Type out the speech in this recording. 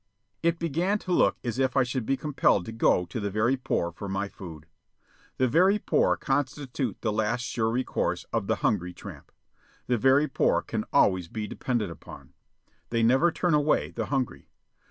It began to look as if I should be compelled to go to the very poor for my food. The very poor constitute the last sure recourse of the hungry tramp. The very poor can always be depended upon. They never turn away the hungry.